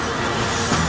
hanya itu saja kesaktian